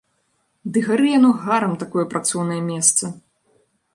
Ды гары яно гарам, такое працоўнае месца!